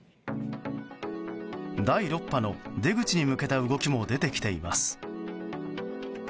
第６波の出口に向けた動きも出てきています。